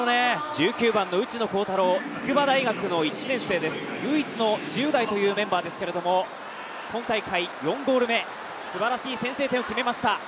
１９番の内野航太郎、筑波大学の１年生、唯一の１０代ですけれども今大会４ゴール目、すばらしい先制点を決めました。